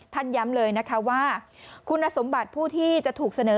ย้ำเลยนะคะว่าคุณสมบัติผู้ที่จะถูกเสนอ